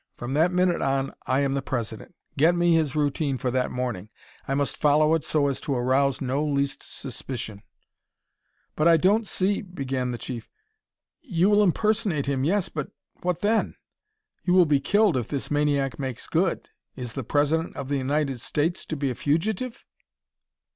From that minute on I am the President. Get me his routine for that morning; I must follow it so as to arouse no least suspicion." "But I don't see " began the Chief. "You will impersonate him yes but what then? You will be killed if this maniac makes good. Is the President of the United States to be a fugitive?